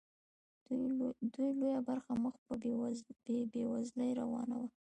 د دوی لویه برخه مخ په بیوزلۍ روانه وه.